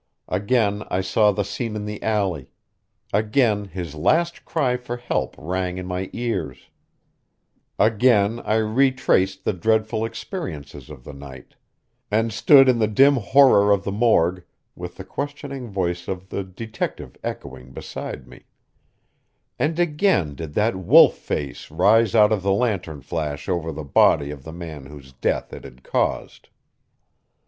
Again I saw the scene in the alley; again his last cry for help rang in my ears; again I retraced the dreadful experiences of the night, and stood in the dim horror of the morgue with the questioning voice of the detective echoing beside me; and again did that wolf face rise out of the lantern flash over the body of the man whose death it had caused.